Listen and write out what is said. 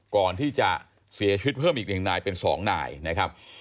ก่อนที่จะเสียชีวิตเพิ่มอีก๑นายเป็น๒นายนะครับ